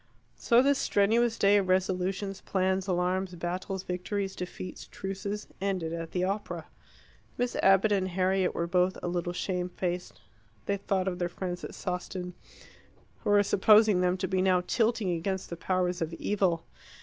So this strenuous day of resolutions, plans, alarms, battles, victories, defeats, truces, ended at the opera. Miss Abbott and Harriet were both a little shame faced. They thought of their friends at Sawston, who were supposing them to be now tilting against the powers of evil.